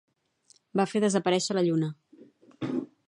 Va fer desapareixer la lluna.